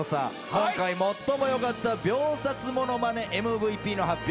今回最も良かった秒殺ものまねＭＶＰの発表